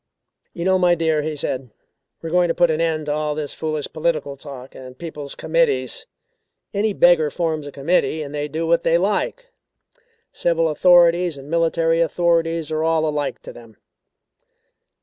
"You know, my dear," he said; "we are going to put an end to all this foolish political talk and people's committees. Any beggar forms a committee, and they do what they like. Civil authorities and military authorities are all alike to them."